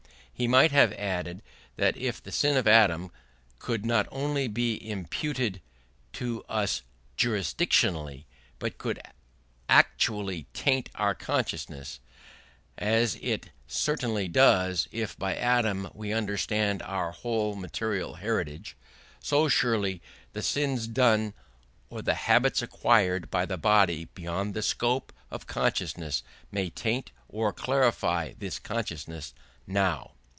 He might have added that if the sin of Adam could not only be imputed to us juridically but could actually taint our consciousness as it certainly does if by Adam we understand our whole material heritage so surely the sins done or the habits acquired by the body beyond the scope of consciousness may taint or clarify this consciousness now.